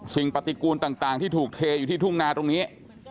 สิ่งปฏิกูลต่างที่ถูกเทอยู่ที่ทุ่งนาตรงนี้